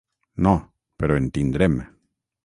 No, però en tindrem.